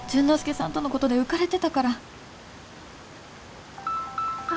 之介さんとのことで浮かれてたから